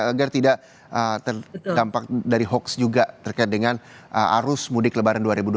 agar tidak terdampak dari hoax juga terkait dengan arus mudik lebaran dua ribu dua puluh